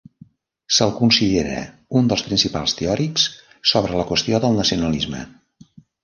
Se'l considera un dels principals teòrics sobre la qüestió del nacionalisme.